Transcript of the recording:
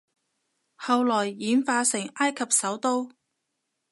後來演化成埃及首都